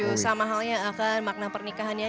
itu sama halnya akan makna pernikahannya